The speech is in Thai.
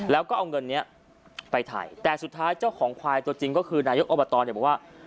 แล้วก็เอาเงินนี้ไปถ่ายแต่สุดท้ายเจ้าของควายตัวจริงก็คือนายกอบตเนี่ยบอกว่า